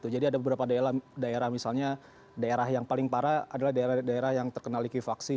jadi ada beberapa daerah misalnya daerah yang paling parah adalah daerah daerah yang terkenal lagi vaksin